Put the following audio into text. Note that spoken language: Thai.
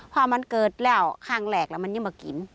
พอมันเกิดแล้วข้างแรกมันยังไม่กิน